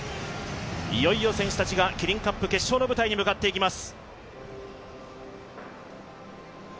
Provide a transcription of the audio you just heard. いよいよ選手たちがキリンカップ決勝の舞台に向かっていきます。